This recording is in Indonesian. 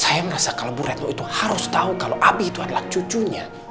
saya merasa kalau bu retno itu harus tahu kalau abi itu adalah cucunya